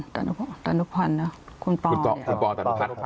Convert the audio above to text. ตานุพลตานุพันเนอะคุณป่อคุณป่อตานุพัน